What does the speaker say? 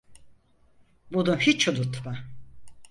Bunu hiç unutma.